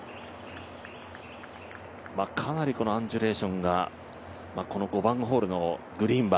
かなりアンジュレーションが５番ホールのグリーンは